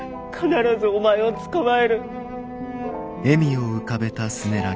必ずお前を捕まえる。